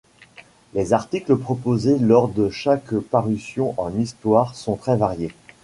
Les articles proposés lors de chaque parution en histoire sont très variés.